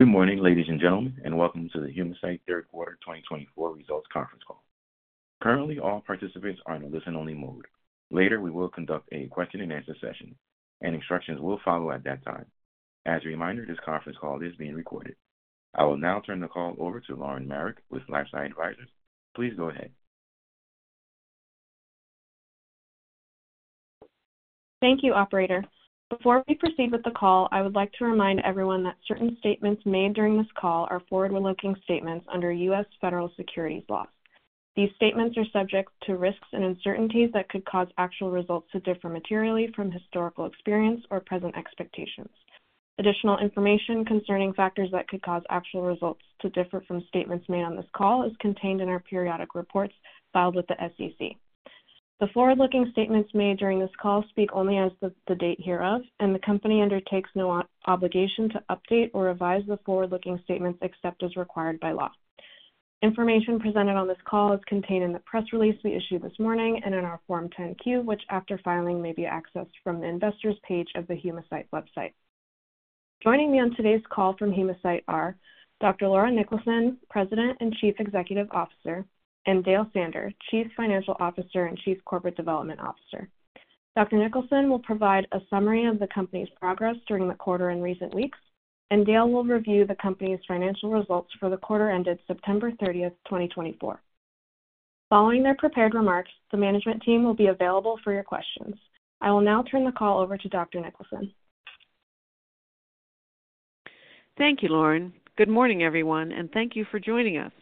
Good morning, ladies and gentlemen, and welcome to the Humacyte Third Quarter 2024 Results Conference Call. Currently, all participants are in a listen-only mode. Later, we will conduct a question-and-answer session, and instructions will follow at that time. As a reminder, this conference call is being recorded. I will now turn the call over to Lauren Marek with LifeSci Advisors. Please go ahead. Thank you, Operator. Before we proceed with the call, I would like to remind everyone that certain statements made during this call are forward-looking statements under U.S. Federal Securities Law. These statements are subject to risks and uncertainties that could cause actual results to differ materially from historical experience or present expectations. Additional information concerning factors that could cause actual results to differ from statements made on this call is contained in our periodic reports filed with the SEC. The forward-looking statements made during this call speak only as of the date hereof, and the company undertakes no obligation to update or revise the forward-looking statements except as required by law. Information presented on this call is contained in the press release we issued this morning and in our Form 10-Q, which, after filing, may be accessed from the Investors page of the Humacyte website. Joining me on today's call from Humacyte are Dr. Laura Niklason, President and Chief Executive Officer, and Dale Sander, Chief Financial Officer and Chief Corporate Development Officer. Dr. Niklason will provide a summary of the company's progress during the quarter and recent weeks, and Dale will review the company's financial results for the quarter ended September 30, 2024. Following their prepared remarks, the management team will be available for your questions. I will now turn the call over to Dr. Niklason. Thank you, Lauren. Good morning, everyone, and thank you for joining us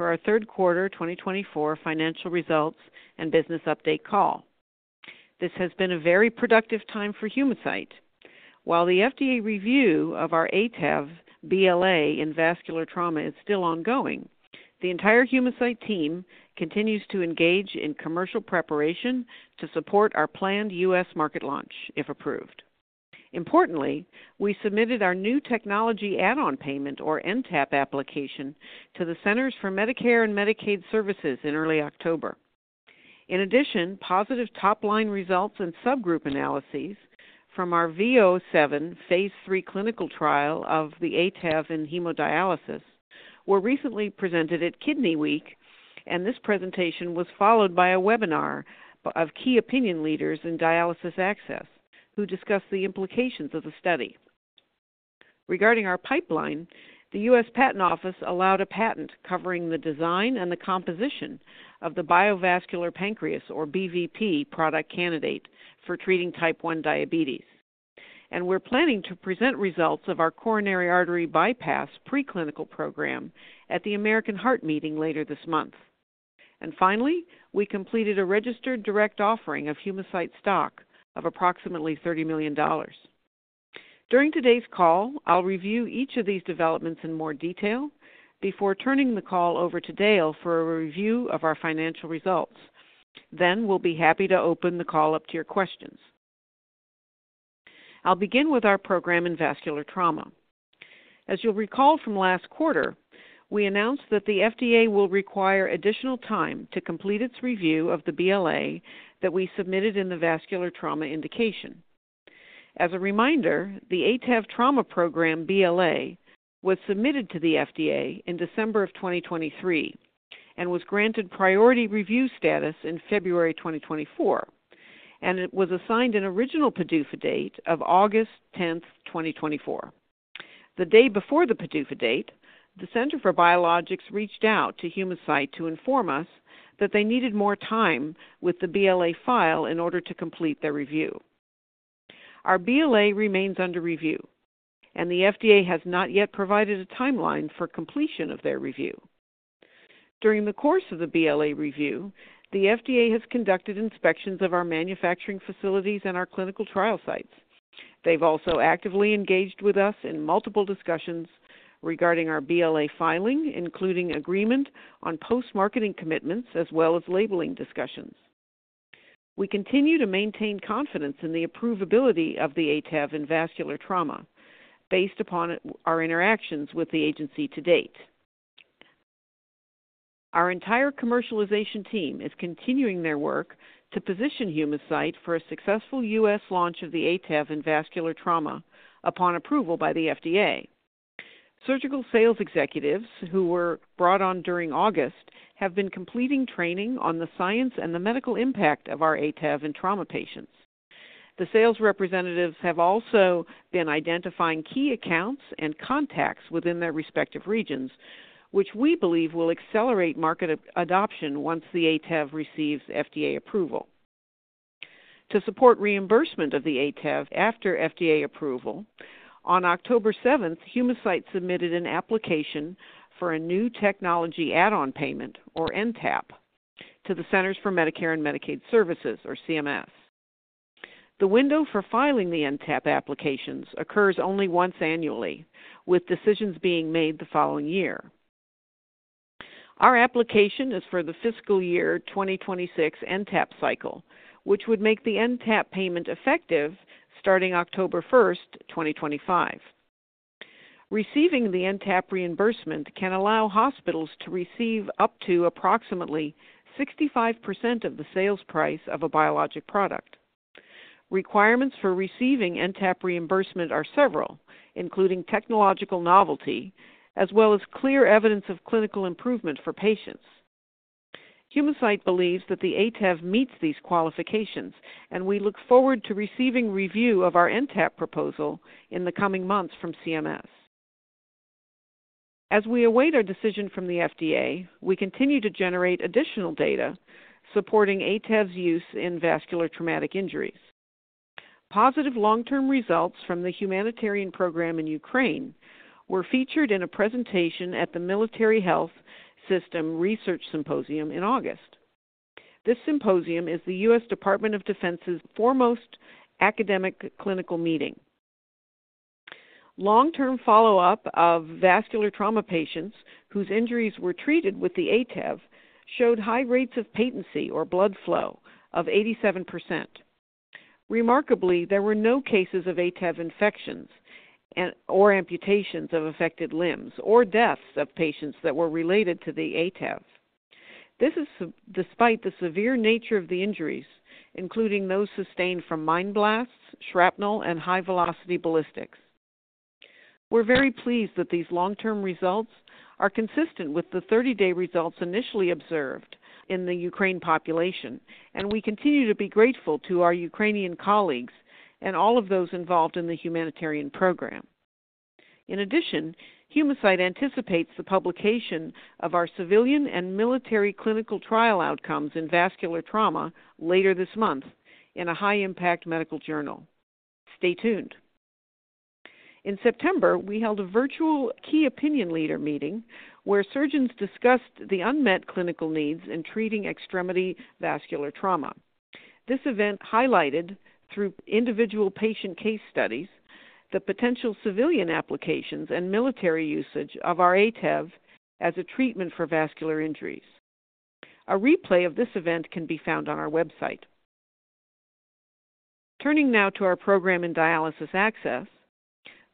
for our Third Quarter 2024 Financial Results and Business Update Call. This has been a very productive time for Humacyte. While the FDA review of our HAV BLA in vascular trauma is still ongoing, the entire Humacyte team continues to engage in commercial preparation to support our planned U.S. market launch, if approved. Importantly, we submitted our new technology add-on payment, or NTAP, application to the Centers for Medicare and Medicaid Services in early October. In addition, positive top-line results and subgroup analyses from our V007 phase III clinical trial of the HAV in hemodialysis were recently presented at Kidney Week, and this presentation was followed by a webinar of key opinion leaders in dialysis access who discussed the implications of the study. Regarding our pipeline, the U.S. Patent Office allowed a patent covering the design and the composition of the BioVascular Pancreas, or BVP, product candidate for treating Type 1 diabetes, and we're planning to present results of our coronary artery bypass pre-clinical program at the American Heart Meeting later this month, and finally, we completed a registered direct offering of Humacyte stock of approximately $30 million. During today's call, I'll review each of these developments in more detail before turning the call over to Dale for a review of our financial results, then we'll be happy to open the call up to your questions. I'll begin with our program in vascular trauma. As you'll recall from last quarter, we announced that the FDA will require additional time to complete its review of the BLA that we submitted in the vascular trauma indication. As a reminder, the HAV Trauma Program BLA was submitted to the FDA in December of 2023 and was granted priority review status in February 2024, and it was assigned an original PDUFA date of August 10, 2024. The day before the PDUFA date, the Center for Biologics reached out to Humacyte to inform us that they needed more time with the BLA file in order to complete their review. Our BLA remains under review, and the FDA has not yet provided a timeline for completion of their review. During the course of the BLA review, the FDA has conducted inspections of our manufacturing facilities and our clinical trial sites. They've also actively engaged with us in multiple discussions regarding our BLA filing, including agreement on post-marketing commitments as well as labeling discussions. We continue to maintain confidence in the approvability of the HAV in vascular trauma based upon our interactions with the agency to date. Our entire commercialization team is continuing their work to position Humacyte for a successful U.S. launch of the HAV in vascular trauma upon approval by the FDA. Surgical sales executives who were brought on during August have been completing training on the science and the medical impact of our HAV in trauma patients. The sales representatives have also been identifying key accounts and contacts within their respective regions, which we believe will accelerate market adoption once the HAV receives FDA approval. To support reimbursement of the HAV after FDA approval, on October 7, Humacyte submitted an application for a new technology add-on payment, or NTAP, to the Centers for Medicare and Medicaid Services, or CMS. The window for filing the NTAP applications occurs only once annually, with decisions being made the following year. Our application is for the fiscal year 2026 NTAP cycle, which would make the NTAP payment effective starting October 1, 2025. Receiving the NTAP reimbursement can allow hospitals to receive up to approximately 65% of the sales price of a biologic product. Requirements for receiving NTAP reimbursement are several, including technological novelty as well as clear evidence of clinical improvement for patients. Humacyte believes that the HAV meets these qualifications, and we look forward to receiving review of our NTAP proposal in the coming months from CMS. As we await our decision from the FDA, we continue to generate additional data supporting HAV's use in vascular traumatic injuries. Positive long-term results from the humanitarian program in Ukraine were featured in a presentation at the Military Health System Research Symposium in August. This symposium is the U.S. Department of Defense's foremost academic clinical meeting. Long-term follow-up of vascular trauma patients whose injuries were treated with the HAV showed high rates of patency, or blood flow, of 87%. Remarkably, there were no cases of HAV infections or amputations of affected limbs or deaths of patients that were related to the HAV. This is despite the severe nature of the injuries, including those sustained from mine blasts, shrapnel, and high-velocity ballistics. We're very pleased that these long-term results are consistent with the 30-day results initially observed in the Ukraine population, and we continue to be grateful to our Ukrainian colleagues and all of those involved in the humanitarian program. In addition, Humacyte anticipates the publication of our civilian and military clinical trial outcomes in vascular trauma later this month in a high-impact medical journal. Stay tuned. In September, we held a virtual key opinion leader meeting where surgeons discussed the unmet clinical needs in treating extremity vascular trauma. This event highlighted, through individual patient case studies, the potential civilian applications and military usage of our HAV as a treatment for vascular injuries. A replay of this event can be found on our website. Turning now to our program in dialysis access,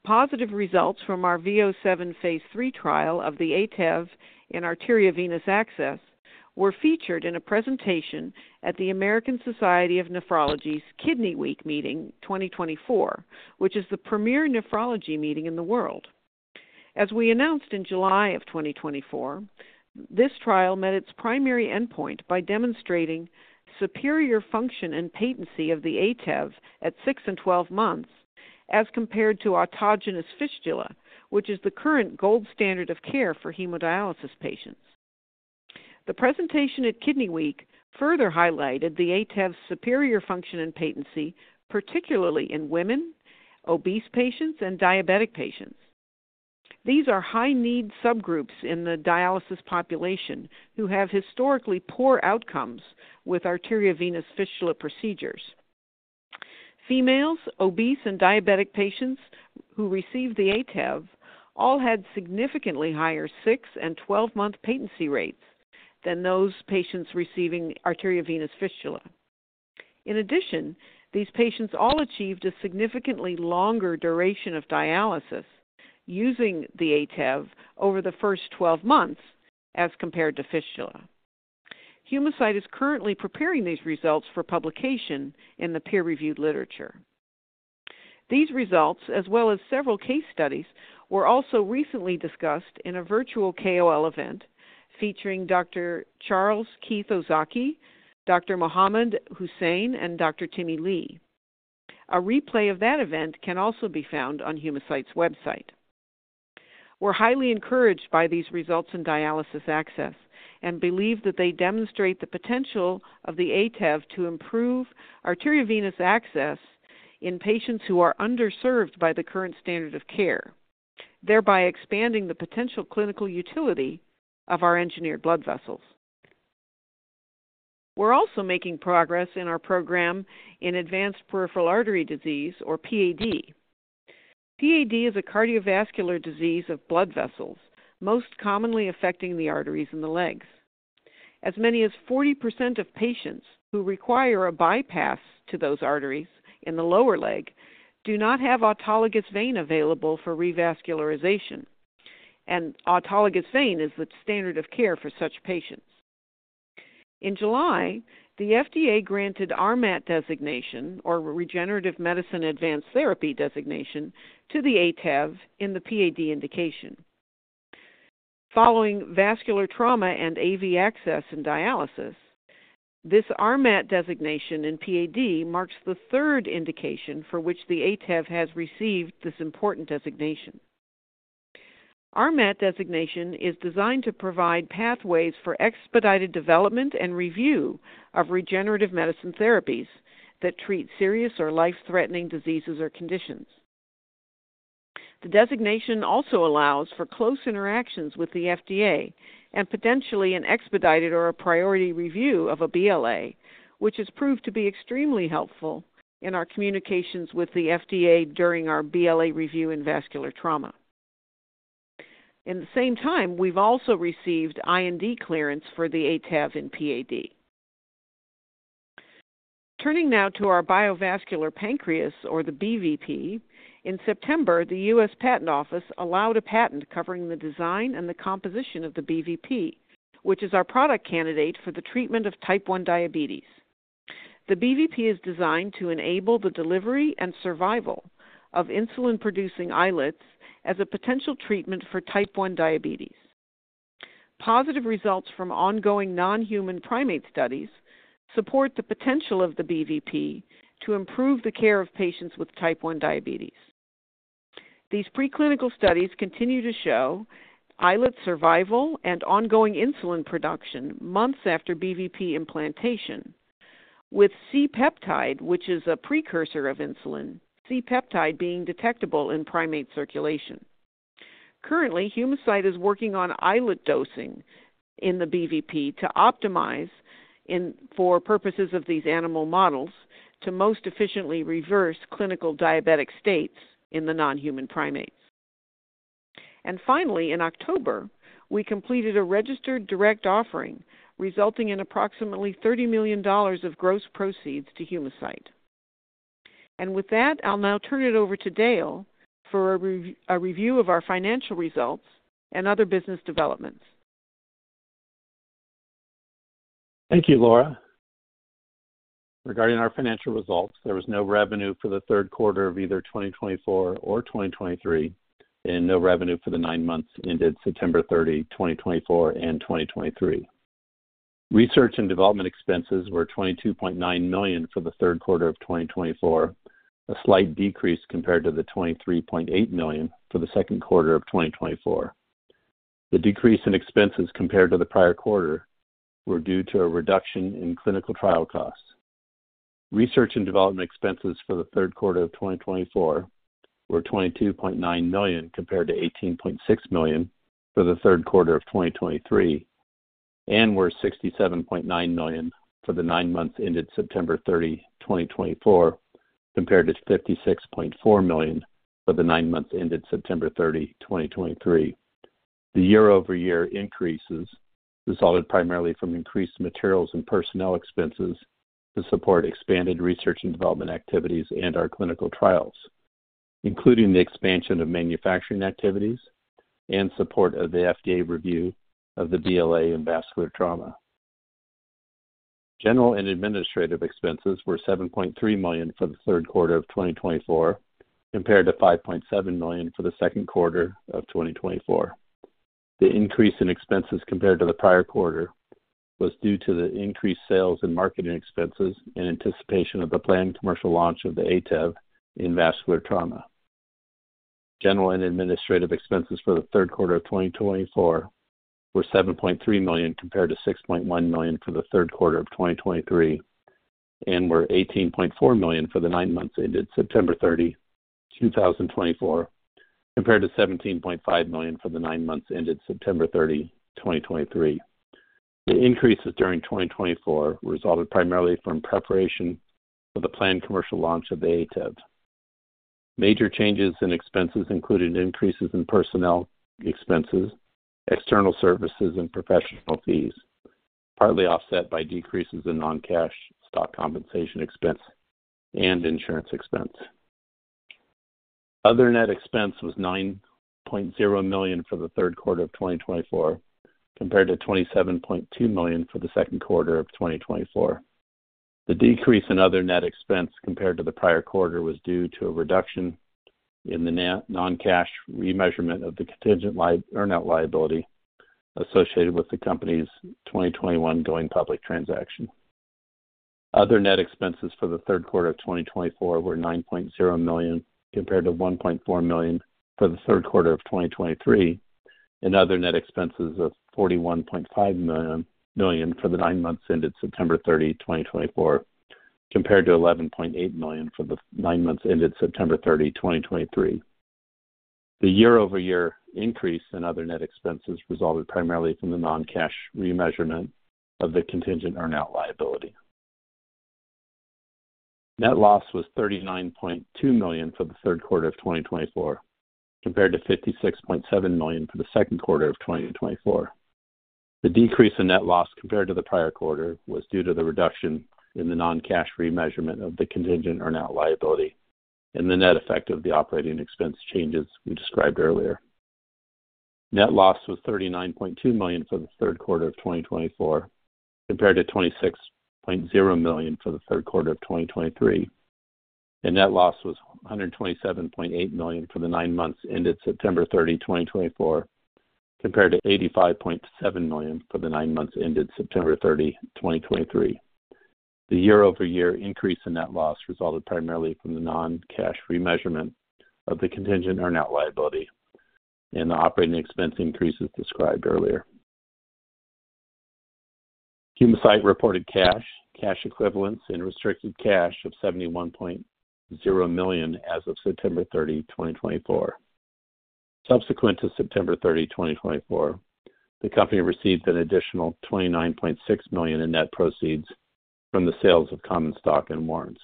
positive results from our VO7 phase III trial of the HAV in arteriovenous access were featured in a presentation at the American Society of Nephrology's Kidney Week Meeting 2024, which is the premier nephrology meeting in the world. As we announced in July of 2024, this trial met its primary endpoint by demonstrating superior function and patency of the HAV at six and 12 months as compared to autogenous fistula, which is the current gold standard of care for hemodialysis patients. The presentation at Kidney Week further highlighted the HAV's superior function and patency, particularly in women, obese patients, and diabetic patients. These are high-need subgroups in the dialysis population who have historically poor outcomes with arteriovenous fistula procedures. Females, obese, and diabetic patients who received the HAV all had significantly higher 6 and 12-month patency rates than those patients receiving arteriovenous fistula. In addition, these patients all achieved a significantly longer duration of dialysis using the HAV over the first 12 months as compared to fistula. Humacyte is currently preparing these results for publication in the peer-reviewed literature. These results, as well as several case studies, were also recently discussed in a virtual KOL event featuring Dr. Charles Keith Ozaki, Dr. Mohamad Hussain, and Dr. Timmy Lee. A replay of that event can also be found on Humacyte's website. We're highly encouraged by these results in dialysis access and believe that they demonstrate the potential of the HAV to improve arteriovenous access in patients who are underserved by the current standard of care, thereby expanding the potential clinical utility of our engineered blood vessels. We're also making progress in our program in advanced peripheral artery disease, or PAD. PAD is a cardiovascular disease of blood vessels, most commonly affecting the arteries in the legs. As many as 40% of patients who require a bypass to those arteries in the lower leg do not have autologous vein available for revascularization, and autologous vein is the standard of care for such patients. In July, the FDA granted RMAT designation, or Regenerative Medicine Advanced Therapy designation, to the HAV in the PAD indication. Following vascular trauma and AV access in dialysis, this RMAT designation in PAD marks the third indication for which the HAV has received this important designation. RMAT designation is designed to provide pathways for expedited development and review of regenerative medicine therapies that treat serious or life-threatening diseases or conditions. The designation also allows for close interactions with the FDA and potentially an expedited or a priority review of a BLA, which has proved to be extremely helpful in our communications with the FDA during our BLA review in vascular trauma. In the same time, we've also received IND clearance for the HAV in PAD. Turning now to our BioVascular Pancreas, or the BVP, in September, the U.S. Patent Office allowed a patent covering the design and the composition of the BVP, which is our product candidate for the treatment of Type 1 diabetes. The BVP is designed to enable the delivery and survival of insulin-producing islets as a potential treatment for type 1 diabetes. Positive results from ongoing non-human primate studies support the potential of the BVP to improve the care of patients with type 1 diabetes. These preclinical studies continue to show islet survival and ongoing insulin production months after BVP implantation, with C-peptide, which is a precursor of insulin, C-peptide being detectable in primate circulation. Currently, Humacyte is working on islet dosing in the BVP to optimize for purposes of these animal models to most efficiently reverse clinical diabetic states in the non-human primates. And finally, in October, we completed a registered direct offering resulting in approximately $30 million of gross proceeds to Humacyte. And with that, I'll now turn it over to Dale for a review of our financial results and other business developments. Thank you, Laura. Regarding our financial results, there was no revenue for the third quarter of either 2024 or 2023, and no revenue for the nine months ended September 30, 2024, and 2023. Research and development expenses were $22.9 million for the third quarter of 2024, a slight decrease compared to the $23.8 million for the second quarter of 2024. The decrease in expenses compared to the prior quarter was due to a reduction in clinical trial costs. Research and development expenses for the third quarter of 2024 were $22.9 million compared to $18.6 million for the third quarter of 2023, and were $67.9 million for the nine months ended September 30, 2024, compared to $56.4 million for the nine months ended September 30, 2023. The year-over-year increases resulted primarily from increased materials and personnel expenses to support expanded research and development activities and our clinical trials, including the expansion of manufacturing activities and support of the FDA review of the BLA in vascular trauma. General and administrative expenses were $7.3 million for the third quarter of 2024, compared to $5.7 million for the second quarter of 2024. The increase in expenses compared to the prior quarter was due to the increased sales and marketing expenses in anticipation of the planned commercial launch of the HAV in vascular trauma. General and administrative expenses for the third quarter of 2024 were $7.3 million compared to $6.1 million for the third quarter of 2023, and were $18.4 million for the nine months ended September 30, 2024, compared to $17.5 million for the nine months ended September 30, 2023. The increases during 2024 resulted primarily from preparation for the planned commercial launch of the HAV. Major changes in expenses included increases in personnel expenses, external services, and professional fees, partly offset by decreases in non-cash stock compensation expense and insurance expense. Other net expense was $9.0 million for the third quarter of 2024, compared to $27.2 million for the second quarter of 2024. The decrease in other net expense compared to the prior quarter was due to a reduction in the non-cash remeasurement of the contingent earn-out liability associated with the company's 2021 going public transaction. Other net expenses for the third quarter of 2024 were $9.0 million compared to $1.4 million for the third quarter of 2023, and other net expenses of $41.5 million for the nine months ended September 30, 2024, compared to $11.8 million for the nine months ended September 30, 2023. The year-over-year increase in other net expenses resulted primarily from the non-cash remeasurement of the contingent earn-out liability. Net loss was $39.2 million for the third quarter of 2024, compared to $56.7 million for the second quarter of 2024. The decrease in net loss compared to the prior quarter was due to the reduction in the non-cash remeasurement of the contingent earn-out liability and the net effect of the operating expense changes we described earlier. Net loss was $39.2 million for the third quarter of 2024, compared to $26.0 million for the third quarter of 2023, and net loss was $127.8 million for the nine months ended September 30, 2024, compared to $85.7 million for the nine months ended September 30, 2023. The year-over-year increase in net loss resulted primarily from the non-cash remeasurement of the contingent earn-out liability and the operating expense increases described earlier. Humacyte reported cash, cash equivalents, and restricted cash of $71.0 million as of September 30, 2024. Subsequent to September 30, 2024, the company received an additional $29.6 million in net proceeds from the sales of common stock and warrants.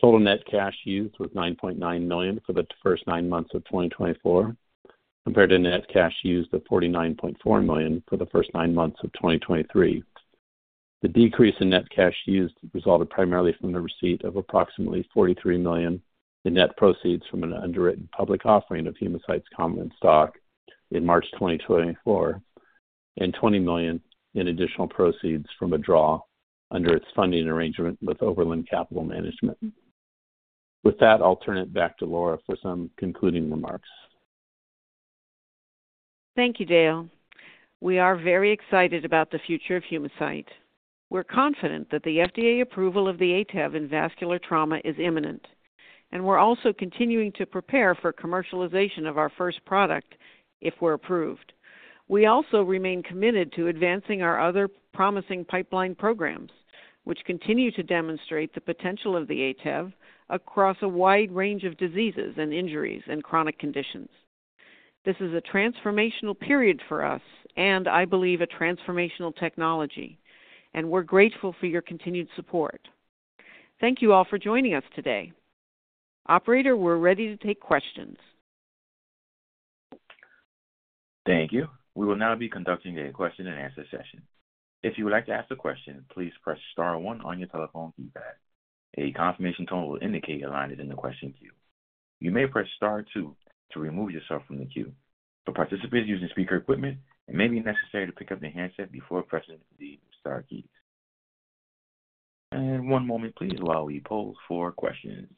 Total net cash used was $9.9 million for the first nine months of 2024, compared to net cash used of $49.4 million for the first nine months of 2023. The decrease in net cash used resulted primarily from the receipt of approximately $43 million in net proceeds from an underwritten public offering of Humacyte's common stock in March 2024, and $20 million in additional proceeds from a draw under its funding arrangement with Oberland Capital Management. With that, I'll turn it back to Laura for some concluding remarks. Thank you, Dale. We are very excited about the future of Humacyte. We're confident that the FDA approval of the HAV in vascular trauma is imminent, and we're also continuing to prepare for commercialization of our first product if we're approved. We also remain committed to advancing our other promising pipeline programs, which continue to demonstrate the potential of the HAV across a wide range of diseases and injuries and chronic conditions. This is a transformational period for us, and I believe a transformational technology, and we're grateful for your continued support. Thank you all for joining us today. Operator, we're ready to take questions. Thank you. We will now be conducting a question-and-answer session. If you would like to ask a question, please press * 1 on your telephone keypad. A confirmation tone will indicate you're lined up in the question queue. You may press * 2 to remove yourself from the queue. For participants using speaker equipment, it may be necessary to pick up the handset before pressing the Star keys. One moment, please, while we poll for questions.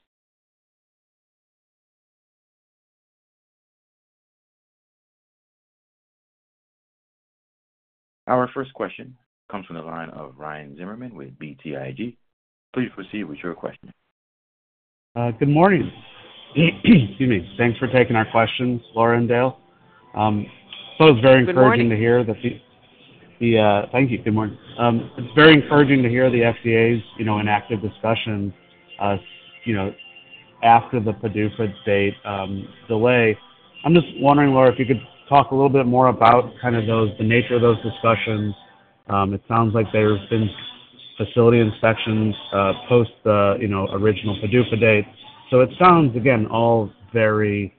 Our first question comes from the line of Ryan Zimmerman with BTIG. Please proceed with your question. Good morning. Excuse me. Thanks for taking our questions, Laura and Dale. So it's very encouraging to hear the, thank you. Good morning. It's very encouraging to hear the FDA's interactive discussions after the PDUFA date delay. I'm just wondering, Laura, if you could talk a little bit more about kind of the nature of those discussions. It sounds like there have been facility inspections post the original PDUFA date. So it sounds, again, all very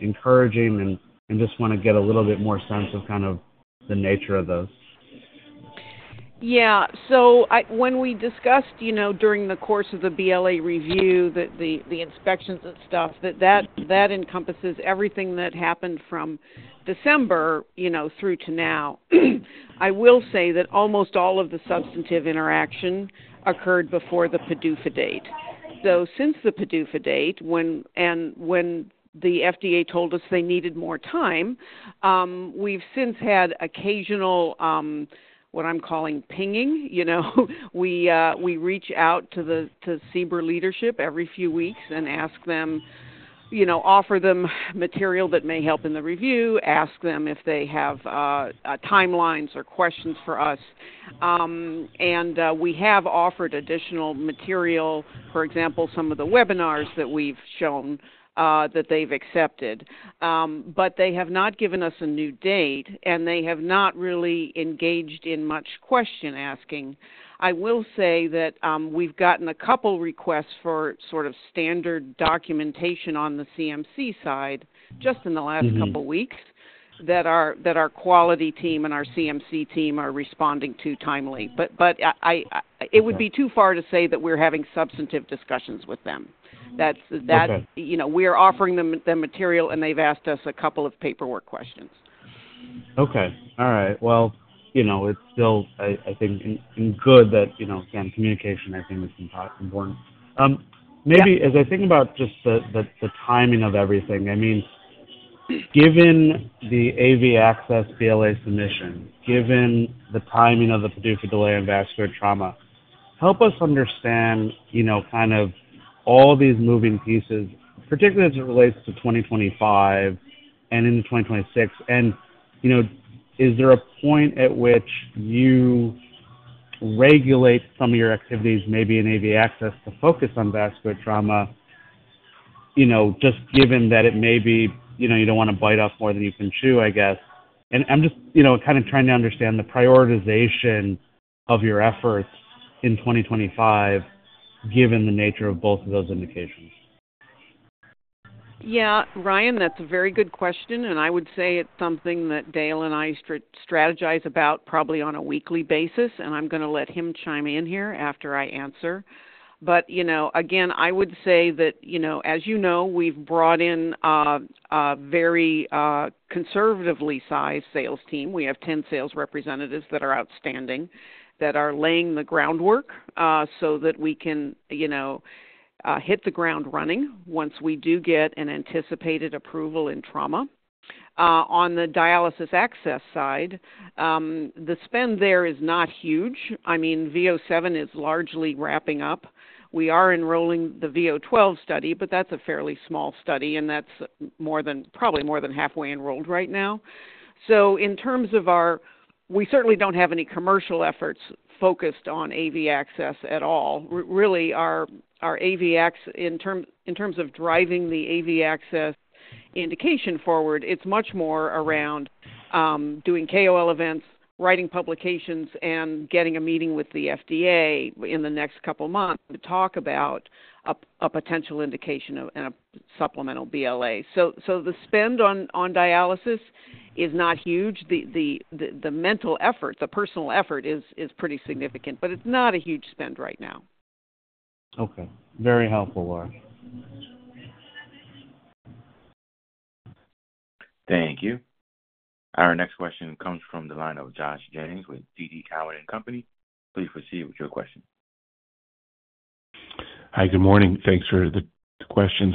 encouraging, and just want to get a little bit more sense of kind of the nature of those. So when we discussed during the course of the BLA review, the inspections and stuff, that encompasses everything that happened from December through to now. I will say that almost all of the substantive interaction occurred before the PDUFA date. So since the PDUFA date, and when the FDA told us they needed more time, we've since had occasional, what I'm calling, pinging. We reach out to CBER leadership every few weeks and ask them, offer them material that may help in the review, ask them if they have timelines or questions for us. And we have offered additional material, for example, some of the webinars that we've shown that they've accepted. But they have not given us a new date, and they have not really engaged in much question asking. I will say that we've gotten a couple of requests for sort of standard documentation on the CMC side just in the last couple of weeks that our quality team and our CMC team are responding to timely. But it would be too far to say that we're having substantive discussions with them. We're offering them the material, and they've asked us a couple of paperwork questions. Okay. All right. Well, it's still, I think, good that, again, communication, I think, is important. Maybe as I think about just the timing of everything, I mean, given the AV access BLA submission, given the timing of the PDUFA delay in vascular trauma, help us understand kind of all these moving pieces, particularly as it relates to 2025 and into 2026. Is there a point at which you regulate some of your activities, maybe in AV access, to focus on vascular trauma, just given that it may be you don't want to bite off more than you can chew, I guess? I'm just kind of trying to understand the prioritization of your efforts in 2025, given the nature of both of those indications. Yeah. Ryan, that's a very good question, and I would say it's something that Dale and I strategize about probably on a weekly basis, and I'm going to let him chime in here after I answer. But again, I would say that, as you know, we've brought in a very conservatively sized sales team. We have 10 sales representatives that are outstanding that are laying the groundwork so that we can hit the ground running once we do get an anticipated approval in trauma. On the dialysis access side, the spend there is not huge. I mean, VO7 is largely wrapping up. We are enrolling the V012 study, but that's a fairly small study, and that's probably more than halfway enrolled right now. So in terms of our—we certainly don't have any commercial efforts focused on AV access at all. Really, our AV access, in terms of driving the AV access indication forward, it's much more around doing KOL events, writing publications, and getting a meeting with the FDA in the next couple of months to talk about a potential indication and a supplemental BLA. So the spend on dialysis is not huge. The mental effort, the personal effort, is pretty significant, but it's not a huge spend right now. Okay. Very helpful, Laura. Thank you. Our next question comes from the line of Josh Jennings with TD Cowen. Please proceed with your question. Hi. Good morning. Thanks for the questions.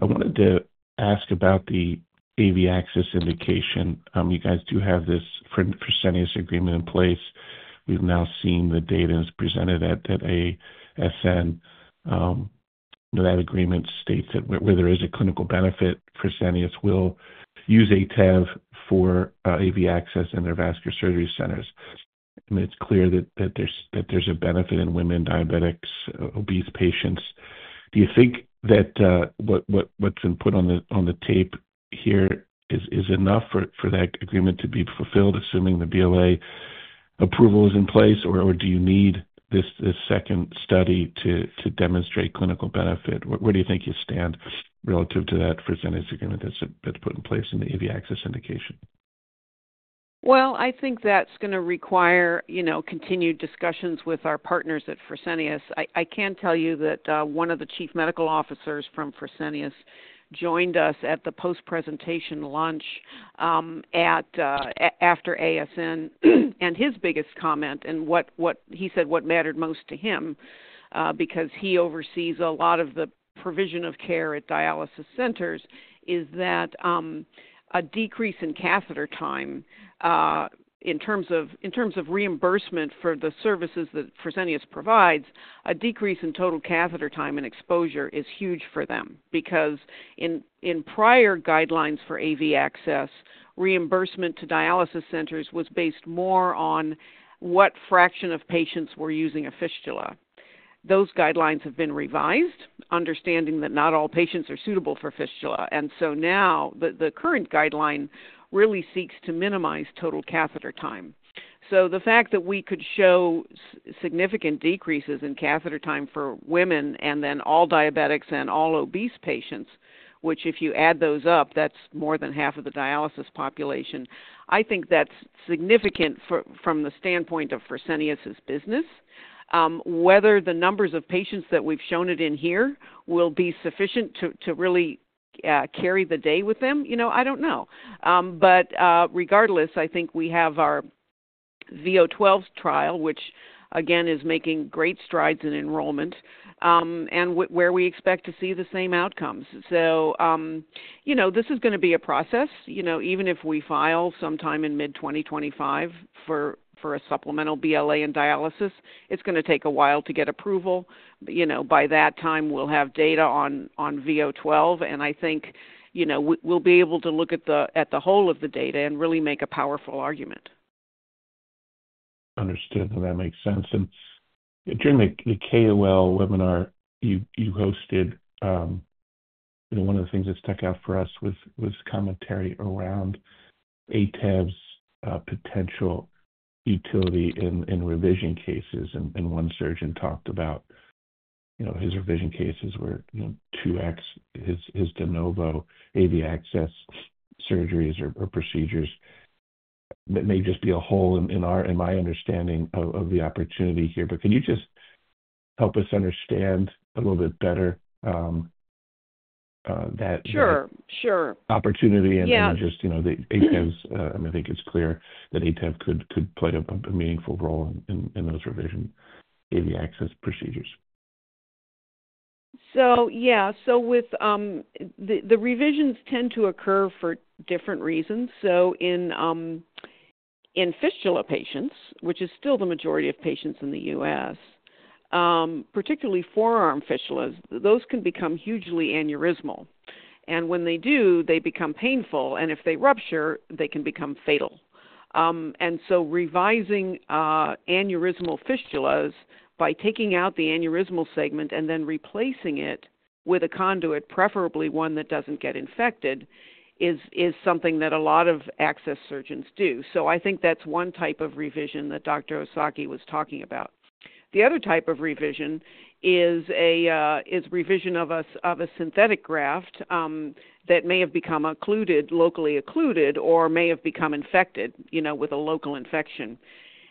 I wanted to ask about the AV access indication. You guys do have this Fresenius agreement in place. We've now seen the data is presented at ASN. That agreement states that where there is a clinical benefit, Fresenius will use HAV for AV access in their vascular surgery centers. And it's clear that there's a benefit in women, diabetics, obese patients. Do you think that what's been put on the tape here is enough for that agreement to be fulfilled, assuming the BLA approval is in place, or do you need this second study to demonstrate clinical benefit? Where do you think you stand relative to that Fresenius agreement that's put in place in the AV access indication? Well, I think that's going to require continued discussions with our partners at Fresenius. I can tell you that one of the chief medical officers from Fresenius joined us at the post-presentation lunch after ASN, and his biggest comment, and he said what mattered most to him because he oversees a lot of the provision of care at dialysis centers, is that a decrease in catheter time in terms of reimbursement for the services that Fresenius provides, a decrease in total catheter time and exposure, is huge for them because in prior guidelines for AV access, reimbursement to dialysis centers was based more on what fraction of patients were using a fistula, those guidelines have been revised, understanding that not all patients are suitable for fistula, and so now the current guideline really seeks to minimize total catheter time. So the fact that we could show significant decreases in catheter time for women and then all diabetics and all obese patients, which if you add those up, that's more than half of the dialysis population, I think that's significant from the standpoint of Fresenius's business. Whether the numbers of patients that we've shown it in here will be sufficient to really carry the day with them, I don't know. But regardless, I think we have our VO12 trial, which, again, is making great strides in enrollment, and where we expect to see the same outcomes. So this is going to be a process. Even if we file sometime in mid-2025 for a supplemental BLA in dialysis, it's going to take a while to get approval. By that time, we'll have data on VO12, and I think we'll be able to look at the whole of the data and really make a powerful argument. Understood. That makes sense. And during the KOL webinar you hosted, one of the things that stuck out for us was commentary around HAV's potential utility in revision cases. And one surgeon talked about his revision cases were 2X his de novo AV access surgeries or procedures. That may just be a hole in my understanding of the opportunity here. But could you just help us understand a little bit better that opportunity and just HAV's? I think it's clear that HAV could play a meaningful role in those revision AV access procedures. So yeah. So the revisions tend to occur for different reasons. So in fistula patients, which is still the majority of patients in the U.S., particularly forearm fistulas, those can become hugely aneurysmal. And when they do, they become painful. And if they rupture, they can become fatal. And so revising aneurysmal fistulas by taking out the aneurysmal segment and then replacing it with a conduit, preferably one that doesn't get infected, is something that a lot of access surgeons do. So I think that's one type of revision that Dr. Ozaki was talking about. The other type of revision is revision of a synthetic graft that may have become locally occluded or may have become infected with a local infection.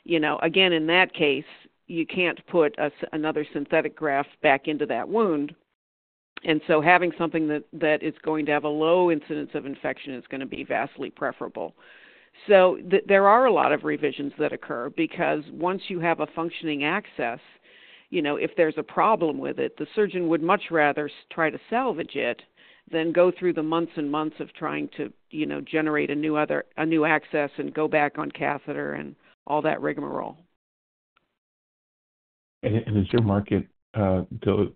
Again, in that case, you can't put another synthetic graft back into that wound. And so having something that is going to have a low incidence of infection is going to be vastly preferable. There are a lot of revisions that occur because once you have a functioning access, if there's a problem with it, the surgeon would much rather try to salvage it than go through the months and months of trying to generate a new access and go back on catheter and all that rigmarole. Does your market diligence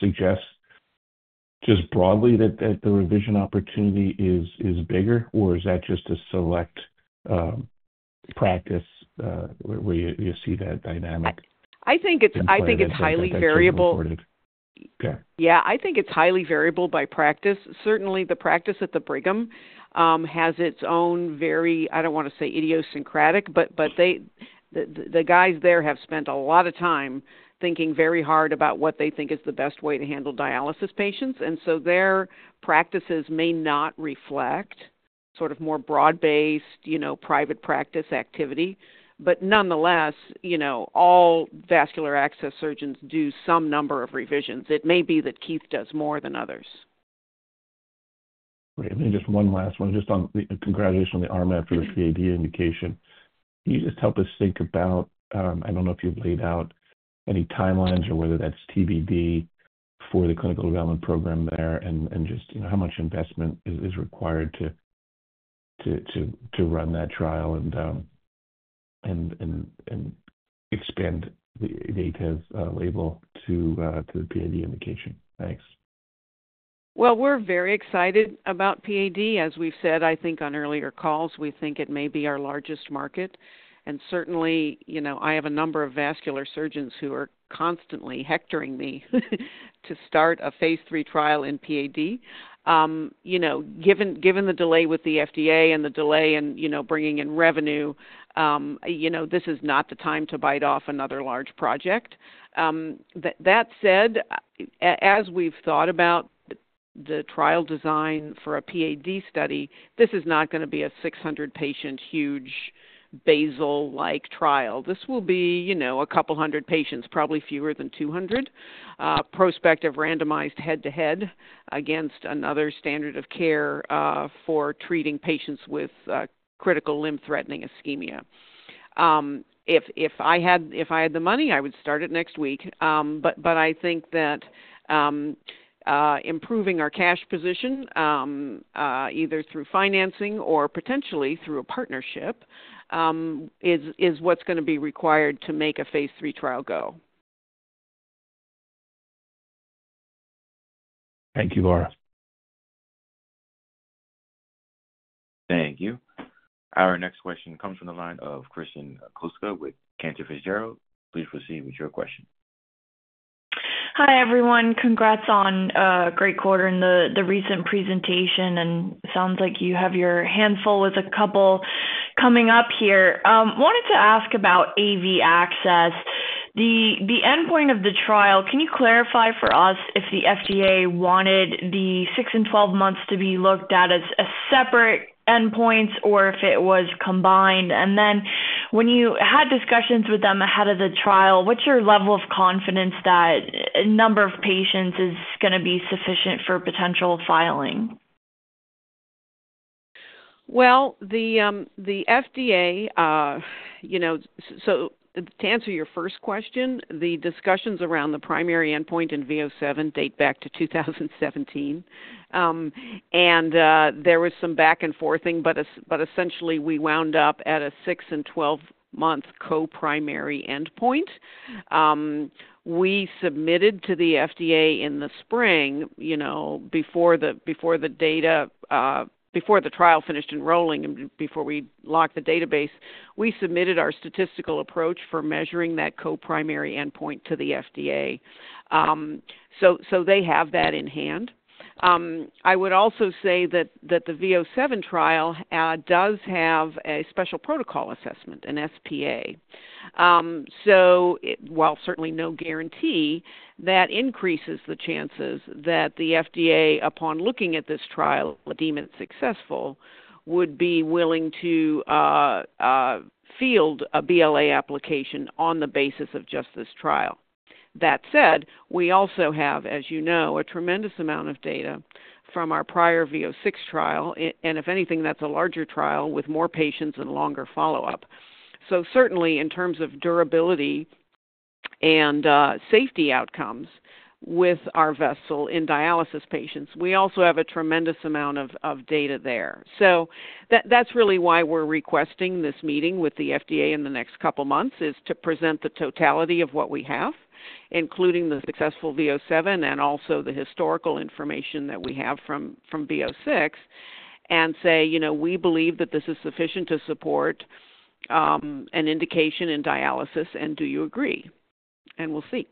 suggest just broadly that the revision opportunity is bigger, or is that just a select practice where you see that dynamic? I think it's highly variable. Yeah. I think it's highly variable by practice. Certainly, the practice at the Brigham has its own very, I don't want to say idiosyncratic, but the guys there have spent a lot of time thinking very hard about what they think is the best way to handle dialysis patients. Their practices may not reflect sort of more broad-based private practice activity. But nonetheless, all vascular access surgeons do some number of revisions. It may be that Keith does more than others. Just one last one, just on the congratulations on the RMAT for the PAD indication. Can you just help us think about, I don't know if you've laid out any timelines or whether that's TBD for the clinical development program there and just how much investment is required to run that trial and expand the HAV label to the PAD indication? Thanks. Well, we're very excited about PAD. As we've said, I think on earlier calls, we think it may be our largest market. And certainly, I have a number of vascular surgeons who are constantly hectoring me to start a phase three trial in PAD. Given the delay with the FDA and the delay in bringing in revenue, this is not the time to bite off another large project. That said, as we've thought about the trial design for a PAD study, this is not going to be a 600-patient huge BASIL-like trial. This will be a couple hundred patients, probably fewer than 200, prospective randomized head-to-head against another standard of care for treating patients with critical limb-threatening ischemia. If I had the money, I would start it next week. But I think that improving our cash position, either through financing or potentially through a partnership, is what's going to be required to make a phase three trial go. Thank you, Laura. Thank you. Our next question comes from the line of Kristen Kluska with Cantor Fitzgerald. Please proceed with your question. Hi, everyone. Congrats on great quarter and the recent presentation. And it sounds like you have your hands full with a couple coming up here. I wanted to ask about AV access. The endpoint of the trial, can you clarify for us if the FDA wanted the 6 and 12 months to be looked at as separate endpoints or if it was combined? And then when you had discussions with them ahead of the trial, what's your level of confidence that a number of patients is going to be sufficient for potential filing? The FDA, so to answer your first question, the discussions around the primary endpoint in VO7 date back to 2017. And there was some back and forthing, but essentially, we wound up at a 6 and 12-month co-primary endpoint. We submitted to the FDA in the spring before the data, before the trial finished enrolling and before we locked the database, we submitted our statistical approach for measuring that co-primary endpoint to the FDA. So they have that in hand. I would also say that the VO7 trial does have a special protocol assessment, an SPA. So while certainly no guarantee, that increases the chances that the FDA, upon looking at this trial, deem it successful, would be willing to file a BLA application on the basis of just this trial. That said, we also have, as you know, a tremendous amount of data from our prior V006 trial. And if anything, that's a larger trial with more patients and longer follow-up. So certainly, in terms of durability and safety outcomes with our vessel in dialysis patients, we also have a tremendous amount of data there. So that's really why we're requesting this meeting with the FDA in the next couple of months, is to present the totality of what we have, including the successful VO7 and also the historical information that we have from V006, and say, "We believe that this is sufficient to support an indication in dialysis. And do you agree?" And we'll see.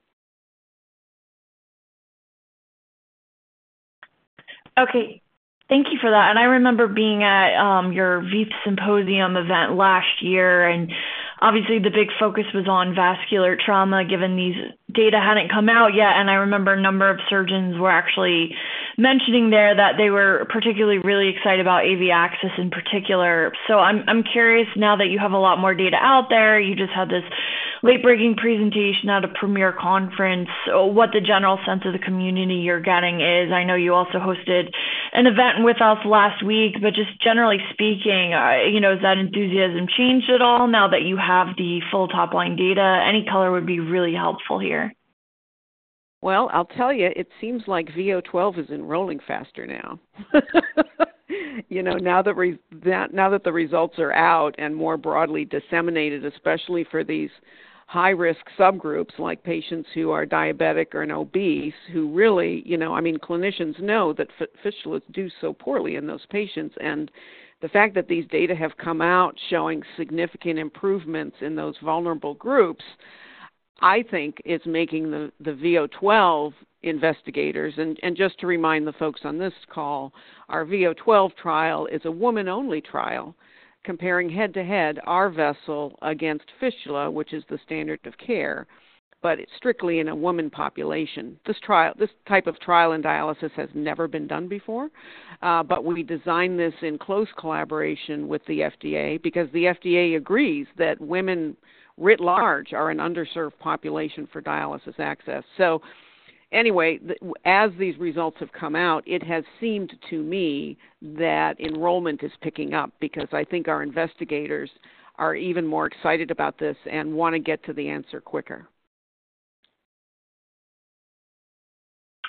Okay. Thank you for that. And I remember being at your VEITH Symposium event last year. And obviously, the big focus was on vascular trauma given these data hadn't come out yet. And I remember a number of surgeons were actually mentioning there that they were particularly really excited about AV access in particular. So I'm curious now that you have a lot more data out there, you just had this late-breaking presentation at a premier conference, what the general sense of the community you're getting is. I know you also hosted an event with us last week. But just generally speaking, has that enthusiasm changed at all now that you have the full top-line data? Any color would be really helpful here. Well, I'll tell you, it seems like VO12 is enrolling faster now. Now that the results are out and more broadly disseminated, especially for these high-risk subgroups like patients who are diabetic or obese, who really, I mean, clinicians know that fistulas do so poorly in those patients. And the fact that these data have come out showing significant improvements in those vulnerable groups, I think, is making the VO12 investigators, and just to remind the folks on this call, our VO12 trial is a woman-only trial comparing head-to-head our vessel against fistula, which is the standard of care, but it's strictly in a woman population. This type of trial in dialysis has never been done before. But we designed this in close collaboration with the FDA because the FDA agrees that women writ large are an underserved population for dialysis access. So anyway, as these results have come out, it has seemed to me that enrollment is picking up because I think our investigators are even more excited about this and want to get to the answer quicker.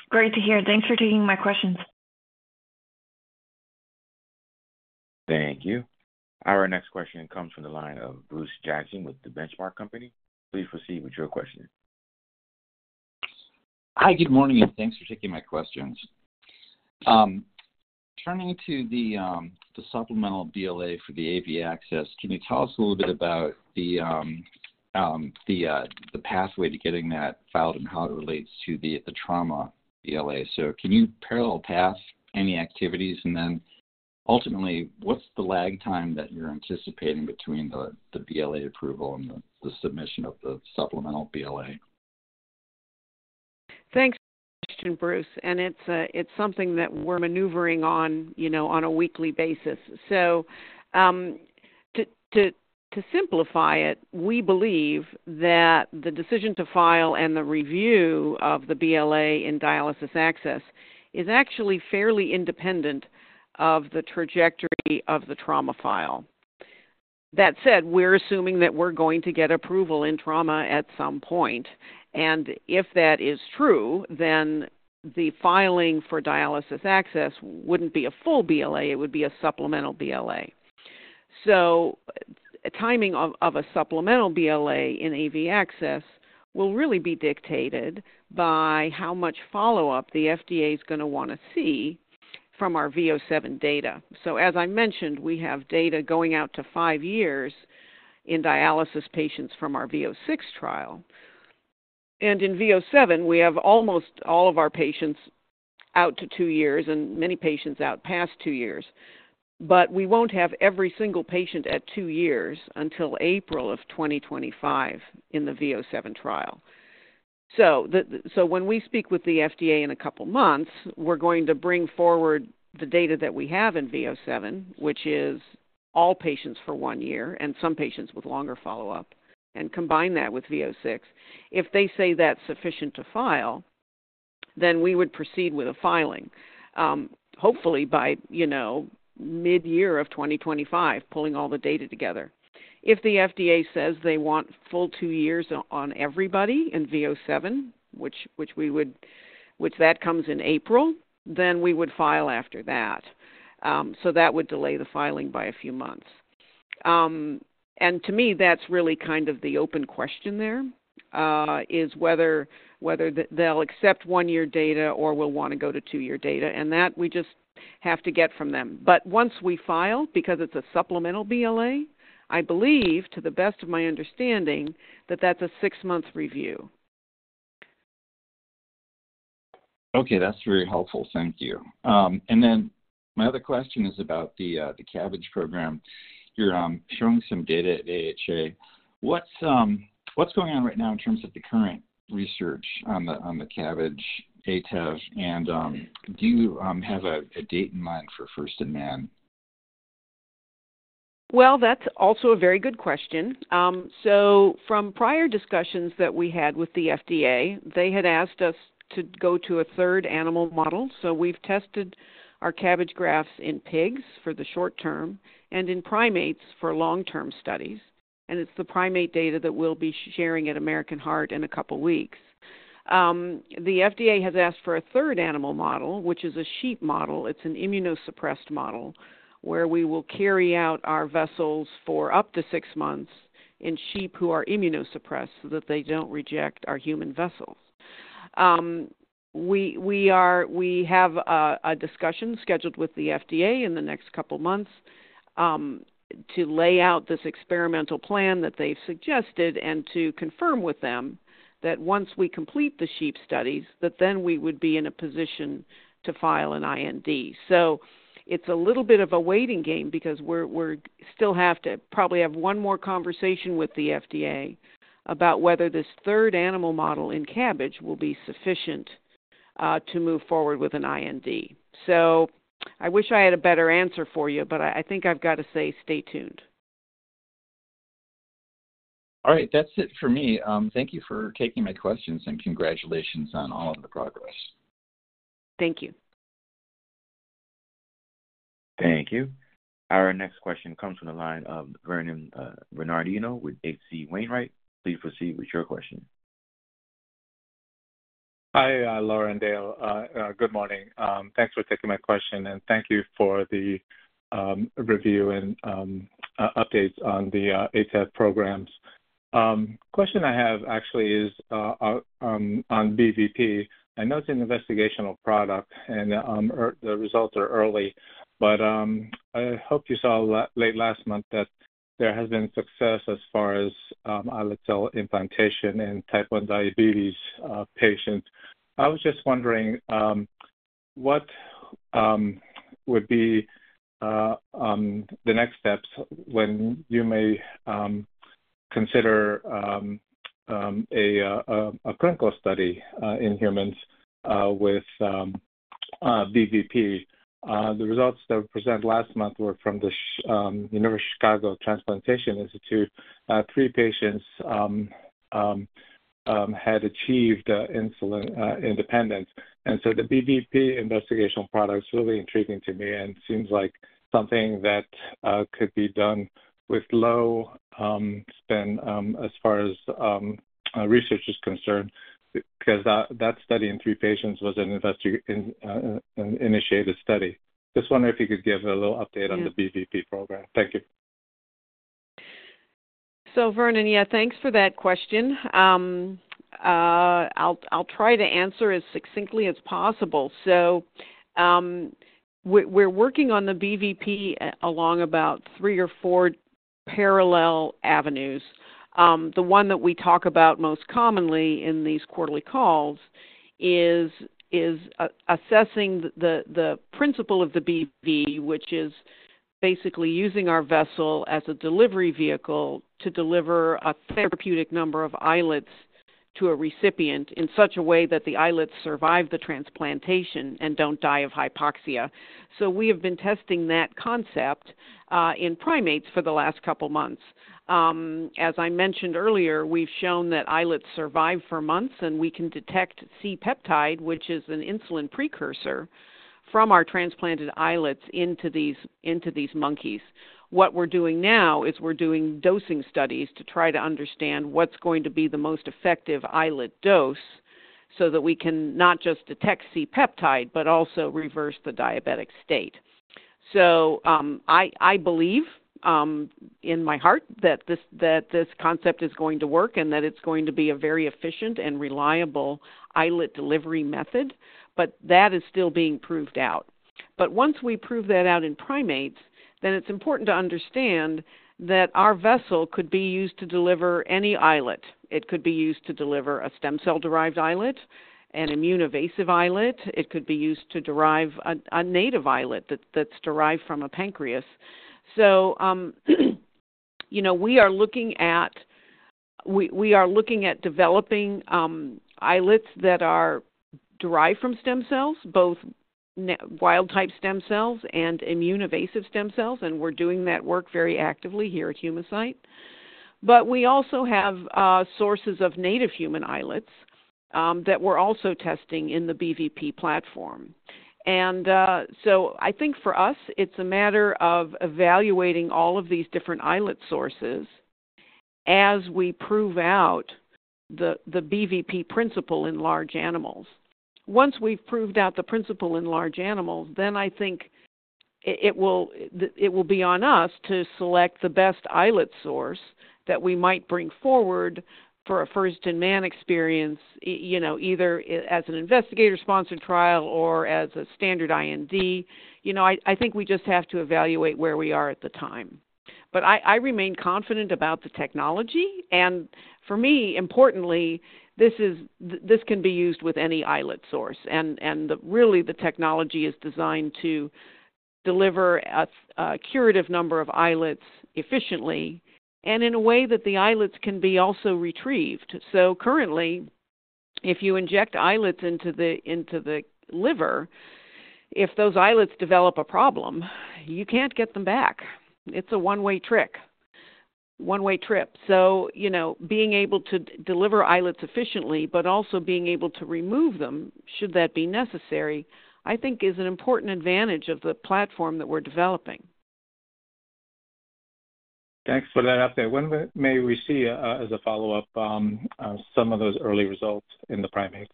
Great to hear. Thanks for taking my questions. Thank you. Our next question comes from the line of Bruce Jackson with The Benchmark Company. Please proceed with your question. Hi, good morning. And thanks for taking my questions. Turning to the supplemental BLA for the AV access, can you tell us a little bit about the pathway to getting that filed and how it relates to the trauma BLA? So can you parallel process any activities? Then ultimately, what's the lag time that you're anticipating between the BLA approval and the submission of the supplemental BLA? Thanks, Christian. Bruce. It's something that we're maneuvering on a weekly basis. To simplify it, we believe that the decision to file and the review of the BLA in dialysis access is actually fairly independent of the trajectory of the trauma file. That said, we're assuming that we're going to get approval in trauma at some point. If that is true, then the filing for dialysis access wouldn't be a full BLA. It would be a supplemental BLA. Timing of a supplemental BLA in AV access will really be dictated by how much follow-up the FDA is going to want to see from our VO7 data. As I mentioned, we have data going out to five years in dialysis patients from our VO6 trial. In VO7, we have almost all of our patients out to two years and many patients out past two years. We won't have every single patient at two years until April of 2025 in the VO7 trial. When we speak with the FDA in a couple of months, we're going to bring forward the data that we have in VO7, which is all patients for one year and some patients with longer follow-up, and combine that with VO6. If they say that's sufficient to file, then we would proceed with a filing, hopefully by mid-year of 2025, pulling all the data together. If the FDA says they want full two years on everybody in VO7, which comes in April, then we would file after that. That would delay the filing by a few months. And to me, that's really kind of the open question there, is whether they'll accept one-year data or will want to go to two-year data. And that we just have to get from them. But once we file, because it's a supplemental BLA, I believe, to the best of my understanding, that that's a six-month review. Okay. That's very helpful. Thank you. And then my other question is about the CABG program. You're showing some data at AHA. What's going on right now in terms of the current research on the CABG, HAV? And do you have a date in mind for first-in-man? Well, that's also a very good question. So from prior discussions that we had with the FDA, they had asked us to go to a third animal model. So we've tested our CABG grafts in pigs for the short term and in primates for long-term studies. It's the primate data that we'll be sharing at American Heart in a couple of weeks. The FDA has asked for a third animal model, which is a sheep model. It's an immunosuppressed model where we will carry out our vessels for up to six months in sheep who are immunosuppressed so that they don't reject our human vessels. We have a discussion scheduled with the FDA in the next couple of months to lay out this experimental plan that they've suggested and to confirm with them that once we complete the sheep studies, that then we would be in a position to file an IND. It's a little bit of a waiting game because we'll still have to probably have one more conversation with the FDA about whether this third animal model in CABG will be sufficient to move forward with an IND. So I wish I had a better answer for you, but I think I've got to say stay tuned. All right. That's it for me. Thank you for taking my questions and congratulations on all of the progress. Thank you. Thank you. Our next question comes from the line of Vernon Bernardino with H.C. Wainwright. Please proceed with your question. Hi, Laura and Dale. Good morning. Thanks for taking my question. And thank you for the review and updates on the HAV programs. Question I have actually is on BVP. I know it's an investigational product, and the results are early. But I hope you saw late last month that there has been success as far as islet cell implantation in type 1 diabetes patients. I was just wondering what would be the next steps when you may consider a clinical study in humans with BVP. The results that were presented last month were from the University of Chicago Transplantation Institute. Three patients had achieved insulin independence. And so the BVP investigational product is really intriguing to me and seems like something that could be done with low spend as far as research is concerned because that study in three patients was an initiated study. Just wondering if you could give a little update on the BVP program? Thank you. So Vernon, yeah, thanks for that question. I'll try to answer as succinctly as possible. So we're working on the BVP along about three or four parallel avenues. The one that we talk about most commonly in these quarterly calls is assessing the principle of the BVP, which is basically using our vessel as a delivery vehicle to deliver a therapeutic number of islets to a recipient in such a way that the islets survive the transplantation and don't die of hypoxia. So we have been testing that concept in primates for the last couple of months. As I mentioned earlier, we've shown that islets survive for months, and we can detect C-peptide, which is an insulin precursor, from our transplanted islets into these monkeys. What we're doing now is we're doing dosing studies to try to understand what's going to be the most effective islet dose so that we can not just detect C-peptide, but also reverse the diabetic state. So I believe in my heart that this concept is going to work and that it's going to be a very efficient and reliable islet delivery method. But that is still being proved out. But once we prove that out in primates, then it's important to understand that our vessel could be used to deliver any islet. It could be used to deliver a stem cell-derived islet, an immune evasive islet. It could be used to derive a native islet that's derived from a pancreas. So we are looking at developing islets that are derived from stem cells, both wild-type stem cells and immune evasive stem cells. And we're doing that work very actively here at Humacyte. But we also have sources of native human islets that we're also testing in the BVP platform. And so I think for us, it's a matter of evaluating all of these different islet sources as we prove out the BVP principle in large animals. Once we've proved out the principle in large animals, then I think it will be on us to select the best islet source that we might bring forward for a first-in-man experience, either as an investigator-sponsored trial or as a standard IND. I think we just have to evaluate where we are at the time. But I remain confident about the technology. And for me, importantly, this can be used with any islet source. And really, the technology is designed to deliver a curative number of islets efficiently and in a way that the islets can be also retrieved. So currently, if you inject islets into the liver, if those islets develop a problem, you can't get them back. It's a one-way trick, one-way trip. So being able to deliver islets efficiently, but also being able to remove them should that be necessary, I think, is an important advantage of the platform that we're developing. Thanks for that update. When may we see, as a follow-up, some of those early results in the primates?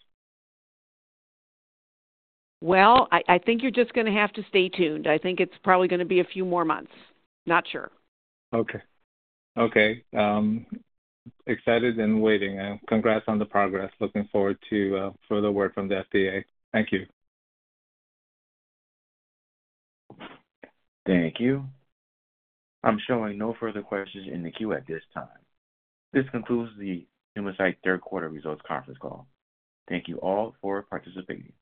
Well, I think you're just going to have to stay tuned. I think it's probably going to be a few more months. Not sure. Okay. Okay. Excited and waiting. And congrats on the progress. Looking forward to further work from the FDA. Thank you. Thank you. I'm showing no further questions in the queue at this time. This concludes the Humacyte third-quarter results conference call. Thank you all for participating.